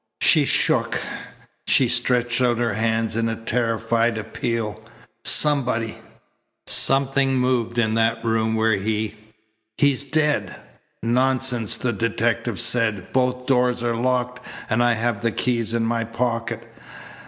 She shook. She stretched out her hands in a terrified appeal. "Somebody something moved in that room where he he's dead." "Nonsense," the detective said. "Both doors are locked, and I have the keys in my pocket."